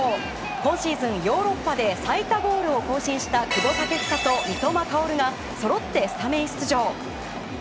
今シーズン、ヨーロッパで最多ゴールを更新した久保建英と三笘薫がそろってスタメン出場。